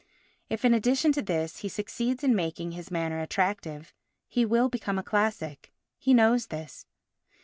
If in addition to this he succeeds in making his manner attractive, he will become a classic. He knows this.